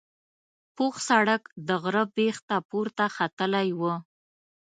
پوخ سړک د غره بیخ ته پورته ختلی و.